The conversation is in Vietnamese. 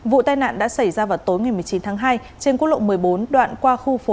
vụ tai nạn đã xảy ra vào tối ngày một mươi chín tháng hai trên quốc lộ một mươi bốn đoạn qua khu phố